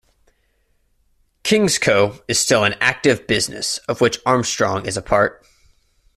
Kingsco is still an active business of which Armstrong is a part.